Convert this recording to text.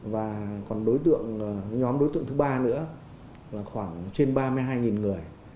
và còn đối tượng nhóm đối tượng thứ ba nữa là khoảng trên ba mươi hai người